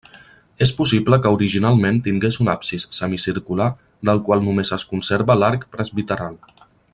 És possible que originalment tingués un absis semicircular del qual només es conserva l'arc presbiteral.